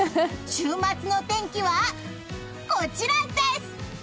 週末の天気はこちらです！